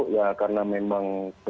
ya karena memang